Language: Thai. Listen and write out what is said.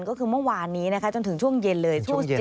ก็คือเมื่อวานนี้จนถึงช่วงเย็นเลย